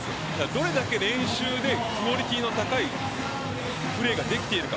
どれだけ練習でクオリティーの高いプレーができているか。